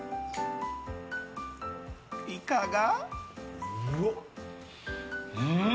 いかが？